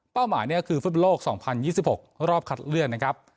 เป้าหมายเนี่ยคือฟุตโลกสองพันยี่สิบหกรอบขัดเลือกนะครับ